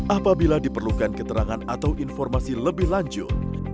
apabila diperlukan keterangan atau informasi lebih lanjut